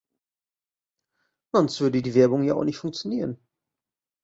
Sonst würde die Werbung ja auch nicht funktionieren.